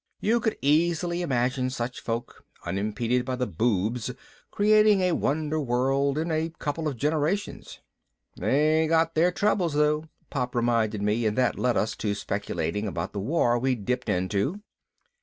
You could easily imagine such folk, unimpeded by the boobs, creating a wonder world in a couple of generations. "They got their troubles though," Pop reminded me and that led us to speculating about the war we'd dipped into.